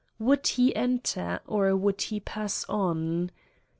Would he enter? Or would he pass on?